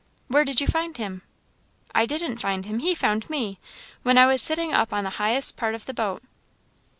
"Where did you find him?" "I didn't find him he found me, when I was sitting up on the highest part of the boat."